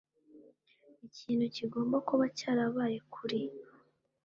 Ikintu kigomba kuba cyarabaye kuri